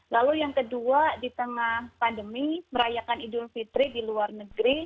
lalu yang kedua di tengah pandemi merayakan idul fitri di luar negeri